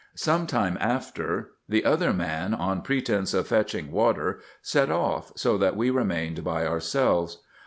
Some time after the other man, on pretence of fetching water, set off, so that we remained by ourselves.